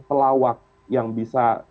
pelawak yang bisa